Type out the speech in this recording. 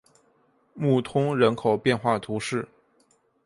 穆通人口变化图示